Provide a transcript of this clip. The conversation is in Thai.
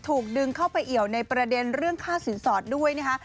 ถูกดึงเข้าไปเอี่ยวในประเด็นเรื่องค่าสินสอดด้วยนะคะ